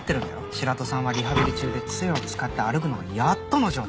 白土さんはリハビリ中で杖を使って歩くのもやっとの状態。